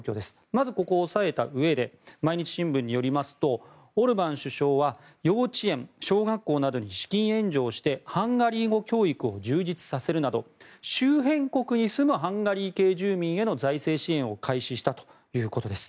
まず、ここを押さえたうえで毎日新聞によりますとオルバン首相は幼稚園、小学校などに資金援助をしてハンガリー語教育を充実させるなど周辺国に住むハンガリー系住民への財政支援を開始したということです。